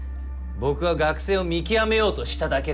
僕は学生を見極めようとしただけで。